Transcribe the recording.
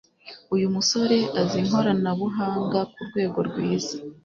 Uyu musore azi ikoranabuhanga kurwego rwiza